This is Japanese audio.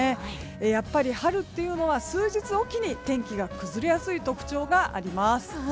やっぱり、春というのは数日おきに天気が崩れやすい特徴があります。